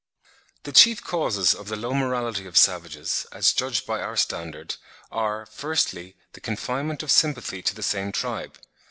The chief causes of the low morality of savages, as judged by our standard, are, firstly, the confinement of sympathy to the same tribe.